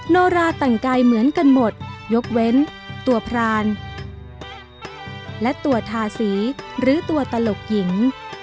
โนราแต่งกายเหมือนกันหมดยกเว้นตัวพรานและตัวทาสีหรือตัวตลกหญิง